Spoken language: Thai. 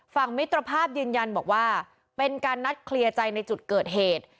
มิตรภาพยืนยันบอกว่าเป็นการนัดเคลียร์ใจในจุดเกิดเหตุ